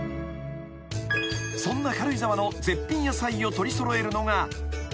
［そんな軽井沢の絶品野菜を取り揃えるのが］